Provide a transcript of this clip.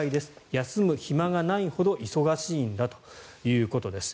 休む暇がないほど忙しいんだということです。